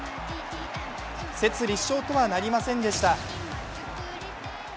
説立証とはなりませんでした。